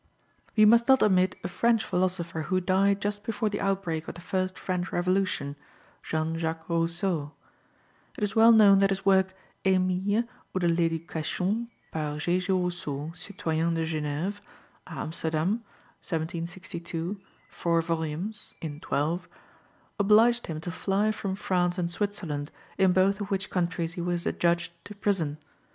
We must not omit a French philosopher who died just before the outbreak of the First French Revolution, Jean Jacques Rousseau. It is well known that his work Emile, ou de l'Education, par J.J. Rousseau, Citoyen de Genève (à Amsterdam, 1762, 4 vols., in 12), obliged him to fly from France and Switzerland, in both of which countries he was adjudged to prison.